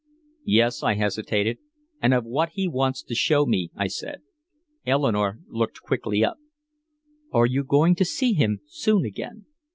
"Yes" I hesitated "and of what he wants to show me," I said. Eleanore looked quickly up. "Are you going to see him soon again?"